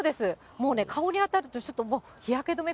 もうね、顔に当たるとちょっともう日焼け止め